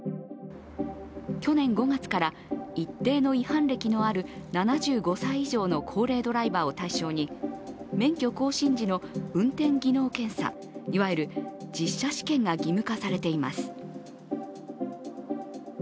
去年５月から一定の違反歴のある７５歳以上の高齢ドライバーを対象に免許更新時の運転技能検査いわゆる実車試験が義務化されています。